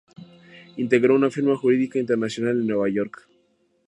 Integró una firma jurídica internacional en Nueva York.